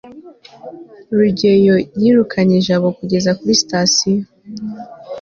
rugeyo yirukanye jabo kugeza kuri sitasiyo